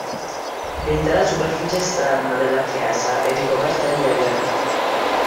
L'intera superficie esterna della chiesa è ricoperta di edera.